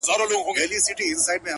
دا موسیقي نه ده جانانه” دا سرگم نه دی”